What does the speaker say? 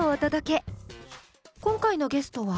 今回のゲストは？